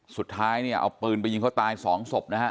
สุดท้ายเนี่ยเอาปืนไปยิงเขาตายสองศพนะฮะ